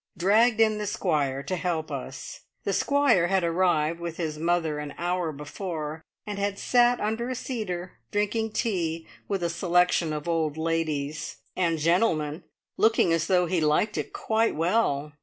dragged in the Squire to help us. The Squire had arrived with his mother an hour before, and had sat under a cedar, drinking tea with a selection of old ladies and gentlemen, looking as though he liked it quite well.